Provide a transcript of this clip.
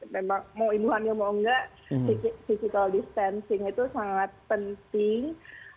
memang mau inuhannya mau enggak physical distancing itu sangat penting